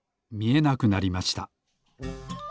みえなくなりました。